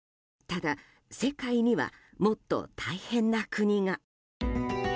ただ、世界にはもっと大変な国が。